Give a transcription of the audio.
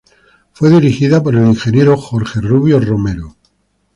Fue dirigida por el Ing. Jorge Rubio Romero.